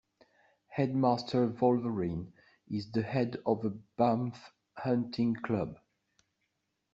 Headmaster Wolverine is the head of a "Bamf Hunting Club".